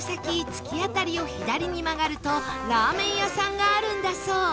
突き当たりを左に曲がるとラーメン屋さんがあるんだそう